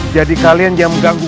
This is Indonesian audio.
jadi kalian jangan mengganggu